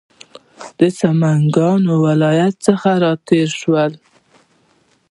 د سمنګانو ولایت څخه تېر شولو.